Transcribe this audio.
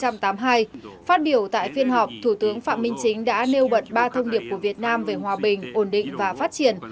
phát biểu tại phiên họp thủ tướng phạm minh chính đã nêu bật ba thông điệp của việt nam về hòa bình ổn định và phát triển